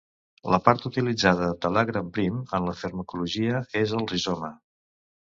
La part utilitzada de l'agram prim en la farmacologia és el rizoma.